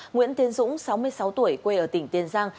nguyễn tiến dũng sáu mươi sáu tuổi quê ở tỉnh tiền giang